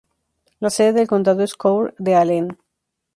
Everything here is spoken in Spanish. La sede del condado es Coeur d'Alene.